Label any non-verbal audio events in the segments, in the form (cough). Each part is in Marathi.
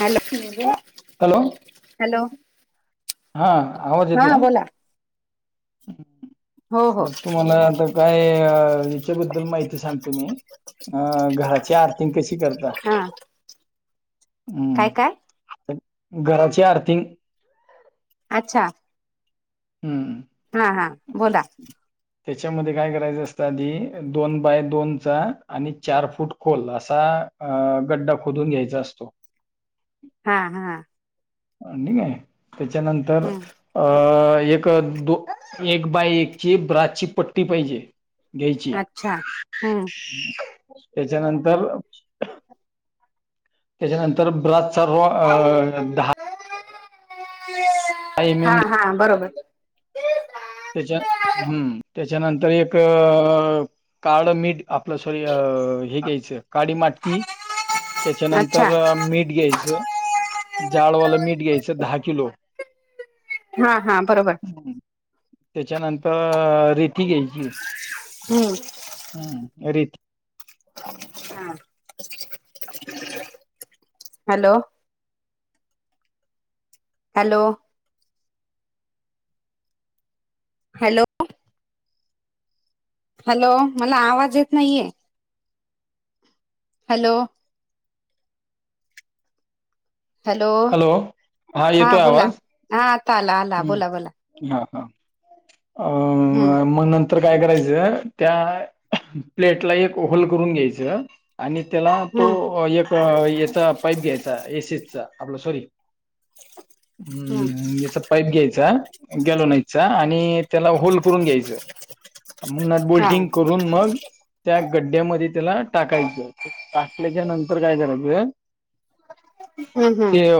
Hello hello. हॅलो. हा आवाज हा येतो ह. बोला हो हो बर तुम्हाला आता काय इच्या, बद्दल माहिती सांगतो मी ही, घराची आ. त कशी करता हा काय हम्म. काय घराची आर्थिंग अच्छा. हं. हा हा बोला. त्याच्यामध्ये काय करायचं असतं आधी दोन बाय दोनचा आणि चार फूट खोल असा. अ गड्डा खोदून घ्यायचा असतो. हा हा. ठीकय त्याच्यानंतर हम्म अ एक दो एक बाय एकची ब्रचची पट्टी पाहिजे. घ्यायची अच्छा हम्म त्याच्यानंतर त्याच्यानंतर ब्रात सर् दहा. एम हा एम हा बरोबर. त्याच्या हम् त्याच्यानंतर एक काळ मीठ आपलं सॉरी हे घ्यायचं काळीमाती अच्छा त्याच्यानंतर मीठ घ्यायचं. जाळवाला मीठ घ्यायचं दहा किलो. हा हा बरोबर. हम्म. त्याच्यानंतर रेती घ्यायची हम्म हम् रेती. हम. हॅलो. हॅलो. हॅलो. हॅलो. मला आवाज येत नाहीये. हॅलो. हॅलो. हा येतोय बोला. आवाज हा आता आला आला. हम्म बोला बोला. हा हा. अ हम्म म नन तर काय करायचं. त्या प्लेटला एक होल करून घ्यायचं. आणि त्याला हम्म तो एक याचा पाईप घ्यायचा. एसीचा. आपला सॉरी हम्म याचा पाईप घ्यायचा. गेलोनायीसचा. आणि त्याला होल् करून घ्यायचं. म्ह नट हा बोल्टिंग करून मग, त्या गड्ड्यामध्ये त्याला टाकायचं. टाकल्याच्या नंतर काय करायचं. हम्म हम्म. अ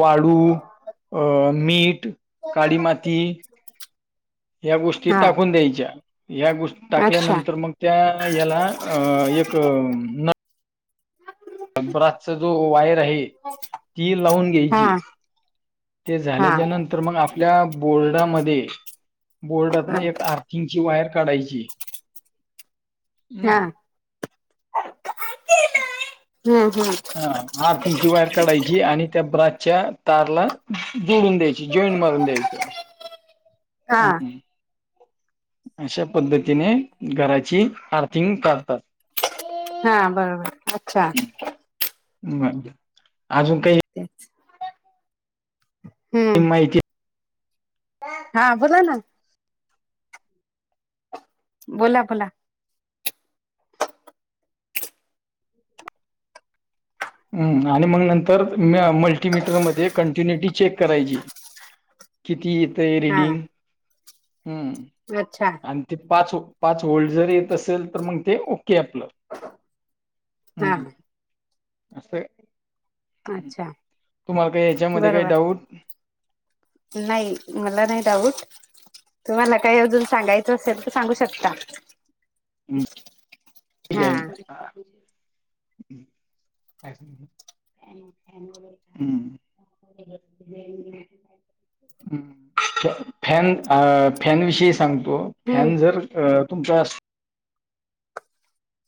वाळू, मीठ, काळी माती. ह्या गोष्टी हा टाकून द्यायच्या. ह्या गोष्ट अच्छा टाकल्यानंतर. मग त्या याला एक न ब्राचा जो वायर आहे. ती लावून हा घ्यायची. ते हा झाल्याच्या नंतर. मग आपल्या बोर्डामध्ये. बोर्डात हा एक आर्थ थिंगची वायर काढायची. हम्म हा. हम्म हम्म हा आर्थिंगची वायर काढायची. आणि त्या ब्राचच्या तारला जोडून द्यायची जॉईंट मारून द्यायच. हा हम्म. अशा पद्धतीने. घराची आर्थिंग करतात. हा बरोबर. अच्छा. अजून काही. हम्म. माहिती हा बोला ना. बोला बोला. हम्म. आणि म नंतर. मल्टीमीटरमध्ये कंटिन्युटी चेक करायची. किती येतय हा रीडिंग. हम्म. अच्छा. आणि ते पाच. पाच होल्ड जर येत असेल. तर मग ते ओके आपलं. हां. अस. अच्छा तुम्हाला काही ह्याच्यामध्ये काही बरोबर डाऊट? नाही. मला नाही डाऊट. तुम्हाला काही अजून सांगायचं असेल. त सांगू शकता. हम्म हा ठीके. हम्म. हम्म. फॅन अ फॅन विषयी सांगतो. हम्म फॅन जर अ तुमचा.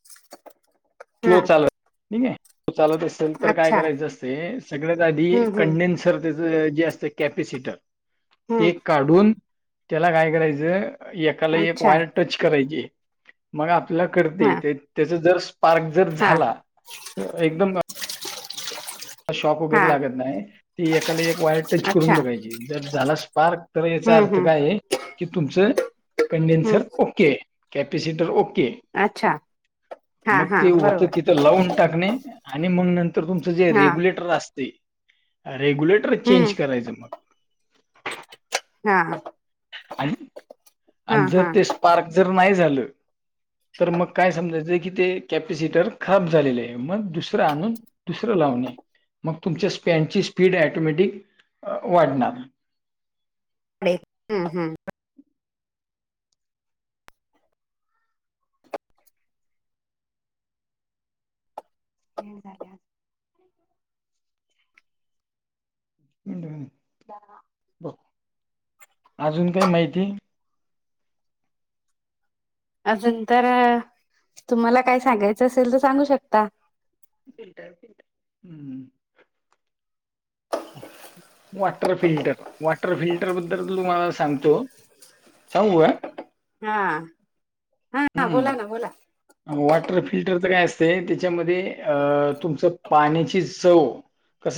(unintelligible) स्लो चालत. ठीके. चालत असेल तर काय अच्छा करायचं असते. सगळ्यात आधी हम्म हम्म कंडेन्सर त्याच जे असत कपसिट. हम्म ते काढून त्याला काय करायचं. एकाला एक अच्छा वायर टच करायची. मग आपल्याला करते हा येते. त्याच जर स्पार्क जर हा झाला. एकदम शॉक हा वगैरे लागत नाही. ती एकाला एक वायर टच अच्छा करून बघायची. जर झाला स्पार्क. तर याचा हम्म अर्थ हम्म काये? कि तुमचं हम्म कंडेनसर ओकेय. Capacitor okay. अच्छा हा मग हा ते होत बरोबर तिथं लावून टाकणे आणि मग नर तर तुमचं जे हा रेग्युलेटर असते रेग्युलेटर हम्म चेंज करायचं मग हा. आणि हा आणि जर हा ते स्पार्क जर नाही झालं. तर मग काय समजायचं की ते कॅपेसिटर खराब झालेले आहे मग दुसरं आणून दुसरं लावणे मग तुमच्या स्पॅनची स्पीड टोमॅटिक वाढणार. हम्म हम्. हे झाले. बघ अजून काय माहिती? अजून तर तुम्हाला काय सांगायचं असेल तर सांगू शकता. हम्म. वॉटर फिल्टर वॉटर फिल्टर बद्दल तुमला सांगतो. चछव आहे. हा हा हा हम्म बोला ना बोला. वॉटर फिल्टर तर काय असते त्याच्यामध्ये अ तुमचं? पाण्याची चव कस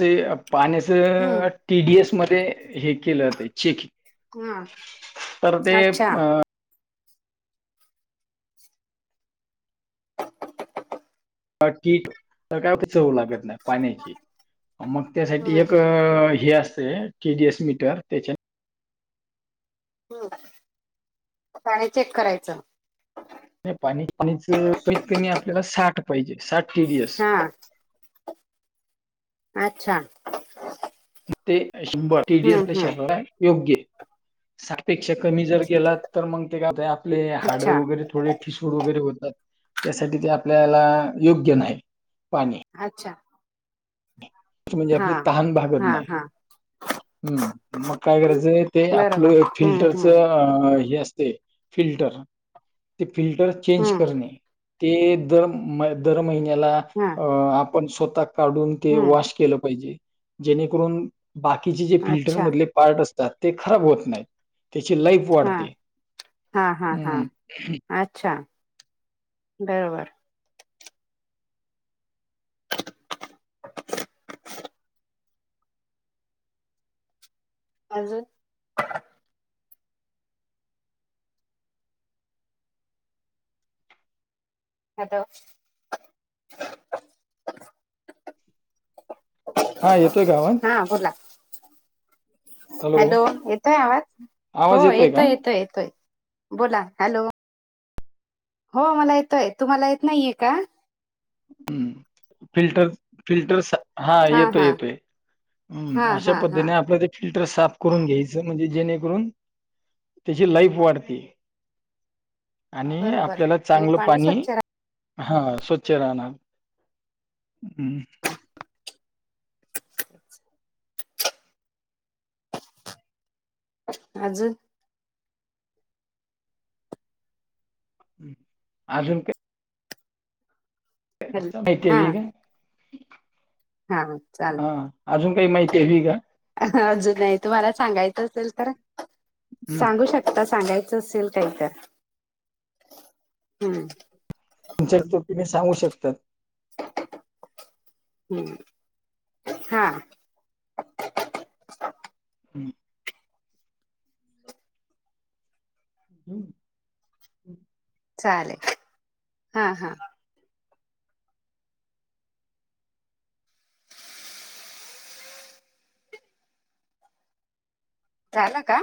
पाण्याचं. हम्म टीडीएस मध्ये हे केलं ते चेकिंग हा तर ते अच्छा ह ठीक. तर कायचव लागत नाही पाण्याची मग त्यासाठी एक हम्म हे असते. केडीएस मीटर त्याच्या ह् आणि चेक करायचं. नाही पाणी पाणीच कमीत कमी आपल्याला साठ पाहिजे साठ टीडी एस. हा. अच्छा. ते शभर टीडीएस हम्म ला श हम्म योग्य साठपेक्षा कमी जर गेला तर मग ते काता आपले हाडं अच्छा वगैरे थोडे ठिसवड वगैरे होतात. त्यासाठी ते आपल्याला योग्य नाही पाणी अच्छा. म्हणजे हा आपली तहान भागत हा नाही. हा हम् मग काय करायचं ते बरोबर आपलं हम्म हम्म फिल्टरचं. हे असते फि्टर ते फिल्टर चेंज हम्म करणे. ते दर दर महिन्याला हा आपण स्वतः काढून ते हम्म वॉश केलं पाहिजे जेणेकरून बाकीचे जे फिल्टर अच्छा मधले पार्ट असतात ते खराब होत नाहीत. त्याची लाईफ हा वाढते हा हा हा हम्. अच्छा बरोबर. अजून आद. हा येतोय गावात. हा बोला. हॅलो येतोय आवाज आवाज हो का? येतोय येतोय येतोय. बोला हॅलो. हो मला येतोय तू मला येत नाहीये का? हम्म फिल्टर फिल्टर. हा येतोय येतोय हा ह् अशा हा हा पद्धतीने आपल्या फिल्टर साफ करून घ्यायचं म्हणजे जेणेकरून त्याची लाईफ वाढते आणि बरोबर आपल्याला आणि चांगलं पाणी स्वच्छ हा स्वचे राहणार हम्. (unintelligible) आजून अजून का हॅल हा माती का हा चाल हा अजून काही माहिती हवी का अजून नाही तुम्हाला सांगायचं असेल तर हम्म. सांगू शकता आता सांगायचं असेल काही तर हम्म तुमच्याो त्ही सांगू शकतात हम् हा हं हम्म चालेल हा हा झालं का